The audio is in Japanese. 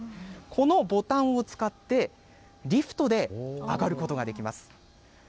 このボタンを使って、リフトで上がることができます。